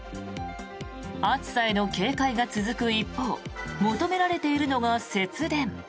暑さへの警戒が続く一方求められているのが節電。